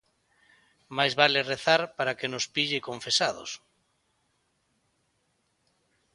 Máis vale rezar para que nos pille confesados.